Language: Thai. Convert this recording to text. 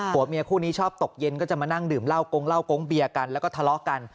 ผัวเมียคู่นี้ชอบตกเย็นก็จะมานั่งดื่มเหล้ากงเหล้าโก๊งเบียร์กันแล้วก็ทะเลาะกัน